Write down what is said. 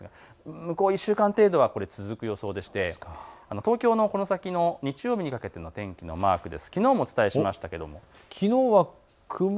向こう１週間程度は続く予想でして、東京の日曜日にかけての天気のマークです。